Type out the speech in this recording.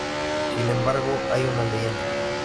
Sin embargo, hay una leyenda.